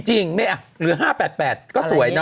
จริงนี้เหลือ๕๘๘ก็สวยเนอะ